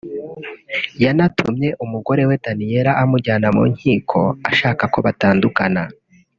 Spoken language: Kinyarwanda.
yanatumye umugore we Daniella amujyana mu nkiko ashaka ko batandukana